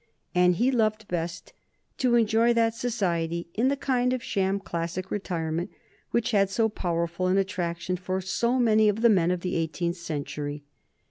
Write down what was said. And he loved best to enjoy that society in the kind of sham classic retirement which had so powerful an attraction for so many of the men of the eighteenth century.